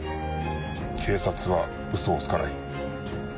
警察は嘘をつかない。